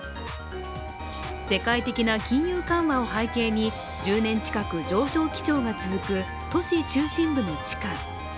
世界的な金融緩和を背景に１０年近く上昇基調が続く都市中心部の地価。